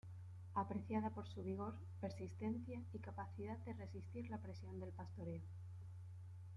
Apreciada por su vigor, persistencia y capacidad de resistir la presión del pastoreo.